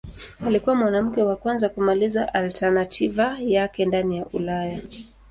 Alikuwa mwanamke wa kwanza kumaliza alternativa yake ndani ya Ulaya.